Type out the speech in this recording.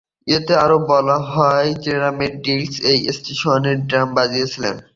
এতে আরো বলা হয় জেরোম ডিলন এই সেশনে ড্রাম বাজিয়েছিলেন।